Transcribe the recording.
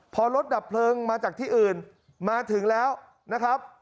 พอรถดับเพลิงมาจากที่อื่นมาถึงแล้วนะครับ